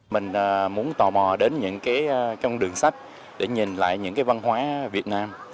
mình muốn tò mò đến những cái con đường sách để nhìn lại những cái văn hóa việt nam